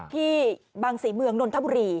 ที่บางศรีเมืองนนทบุรี